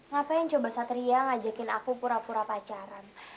ngapain coba satria ngajakin aku pura pura pacaran